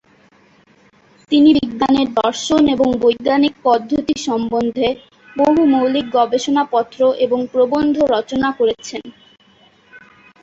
তিনি বিজ্ঞানের দর্শন এবং বৈজ্ঞানিক পদ্ধতি সম্বন্ধে বহু মৌলিক গবেষণাপত্র এবং প্রবন্ধ রচনা করেছেন।